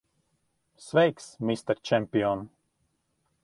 Sveiks, mister čempion!